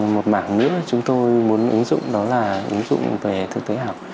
một mảng nữa chúng tôi muốn ứng dụng đó là ứng dụng về thực tế ảo